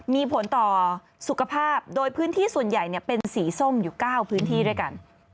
มีผลต่อสุขภาพโดยพื้นที่ส่วนใหญ่เป็นสีส้มอยู่๙พื้นที่ด้วยกัน